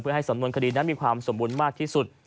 ให้สำนวนคดีนั้นมีความสมบูรณ์มากที่สุด